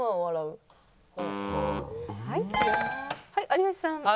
はい有吉さん。